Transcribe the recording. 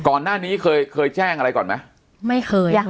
ก่อนหน้านี้เคยแจ้งอะไรก่อนมั้ย